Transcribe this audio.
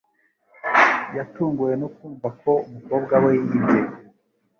Yatunguwe no kumva ko umukobwa we yibye